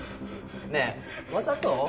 ねえわざと？